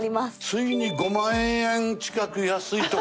ついに５万円近く安いところ。